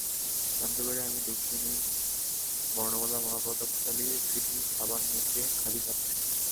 জানতে পারি আমার দুঃখিনী বর্ণমালা মহাপ্রতাপশালী এবিসিডির থাবার নিচে খাবি খাচ্ছে।